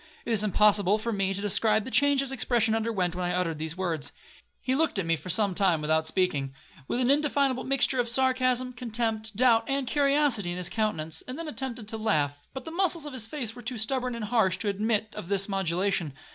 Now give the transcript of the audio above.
It is impossible for me to describe the change his expression underwent while I uttered these words. He looked at me for some time without speaking, with an indefinable mixture of sarcasm, contempt, doubt, and curiosity in his countenance, and then attempted to laugh, but the muscles of his face were too stubborn and harsh to admit of this modulation.